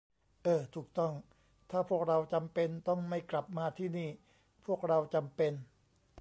เออ ถูกต้อง ถ้าพวกเราจำเป็นต้องไม่กลับมาที่นี่ พวกเราจำเป็น